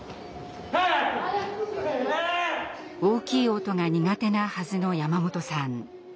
大きい音が苦手なはずの山本さん。